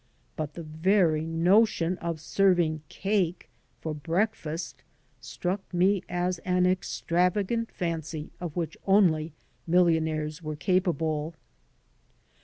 But the very notion of serving cake for breakfast struck me as an extravagant fancy of which only million aires were capable.